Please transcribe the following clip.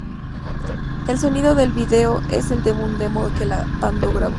El sonido del vídeo es el de un demo que la banda grabó.